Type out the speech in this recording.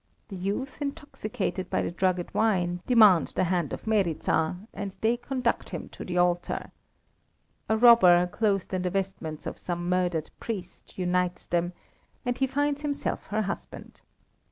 The youth, intoxicated by the drugged wine, demand the hand of Meryza, and they conduct him to the altar. A robber, clothed in the vestments of some murdered priest, unites them, and he finds himself her husband.